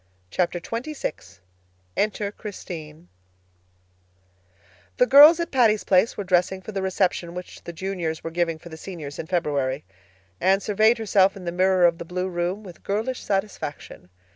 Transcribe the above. Chapter XXVI Enter Christine The girls at Patty's Place were dressing for the reception which the Juniors were giving for the Seniors in February. Anne surveyed herself in the mirror of the blue room with girlish satisfaction.